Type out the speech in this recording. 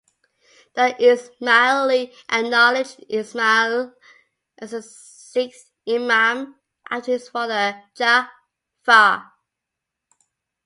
The Isma'ili acknowledge Isma'il as the sixth Imam, after his father, Ja'far.